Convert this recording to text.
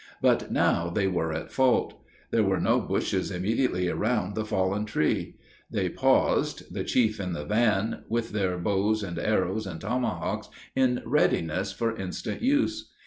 But now they were at fault. There were no bushes immediately around the fallen tree. They paused, the chief in the van, with their bows and arrows and tomahawks in readiness for instant use.